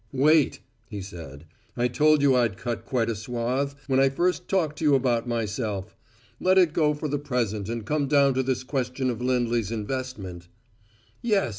"Wait!" he said. "I told you I'd cut quite a swathe, when I first talked to you about myself. Let it go for the present and come down to this question of Lindley's investment " "Yes.